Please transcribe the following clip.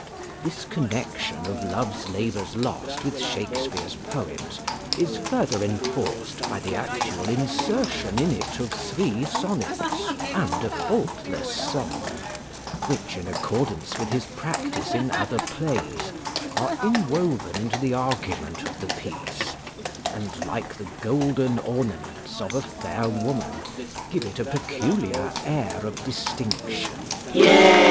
This connexion of Love's Labours Lost with Shakespeare's poems is further enforced by the actual insertion in it of three sonnets and a faultless song; which, in accordance with his practice in other plays, are inwoven into the argument of the piece and, like the golden ornaments of a fair woman, give it a peculiar air of distinction.